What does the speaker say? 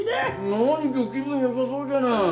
何今日気分よさそうじゃない。